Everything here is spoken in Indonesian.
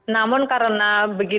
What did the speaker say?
namun karena begitu